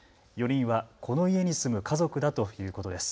４人はこの家に住む家族だということです。